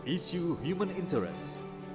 isu human interest